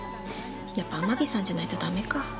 やっぱアマビさんじゃないと駄目か。